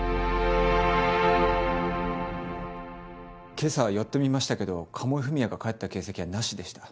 今朝寄ってみましたけど鴨井文哉が帰った形跡はなしでした。